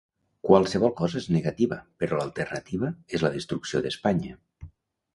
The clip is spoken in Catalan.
Qualsevol cosa és negativa, però l’alternativa és la destrucció d’Espanya.